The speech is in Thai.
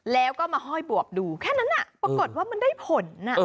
แล้วก็มาห้อยบวบดูแค่นั้นปรากฏว่ามันได้ผล